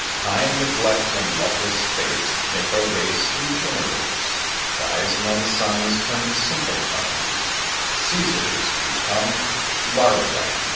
Time, neglect, and luckless fate Make a race degenerate; Wise men's sons turn simpletons; Cæsars become Laridons.